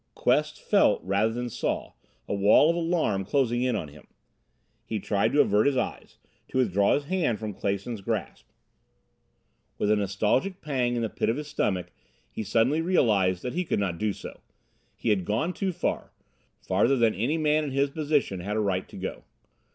Quest felt, rather than saw, a wall of alarm closing in on him. He tried to avert his eyes, to withdraw his hand from Clason's grasp. With a nostalgic pang in the pit of his stomach he suddenly realized that he could not do so. He had gone too far farther than any man in his position had a right to go.